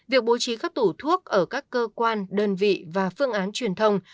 việc bố trí các tủ thuốc ở các cơ quan đơn vị và phương án truyền thông